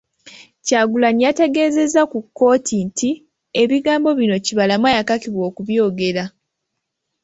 Kyagulanyi yategeezezza ku kkooti nti, ebigambo bino Kibalama yakakiddwa okubyogera.